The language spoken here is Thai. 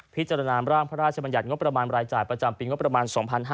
พิจารณาร่างพระราชบัญญัติงบประมาณรายจ่ายประจำปีงบประมาณ๒๕๕๙